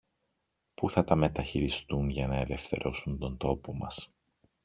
που θα τα μεταχειριστούν για να ελευθερώσουν τον τόπο μας